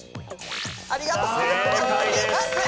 ありがとうございます。